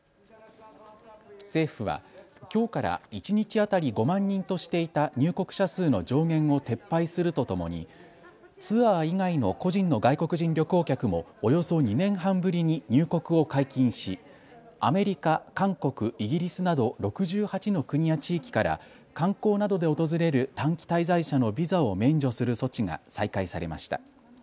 政府はきょうから一日当たり５万人としていた入国者数の上限を撤廃するとともにツアー以外の個人の外国人旅行客もおよそ２年半ぶりに入国を解禁しアメリカ、韓国、イギリスなど６８の国や地域から観光などで訪れる短期滞在者のビザを免除する措置が再開されました。